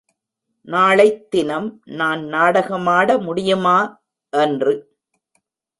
நாளைத்தினம் நான் நாடகமாட முடியுமா? என்று.